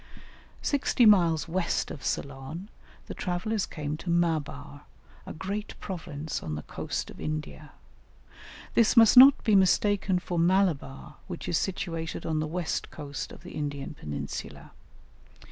Sixty miles west of Ceylon the travellers came to Maabar, a great province on the coast of India. This must not be mistaken for Malabar, which is situated on the west coast of the Indian peninsula.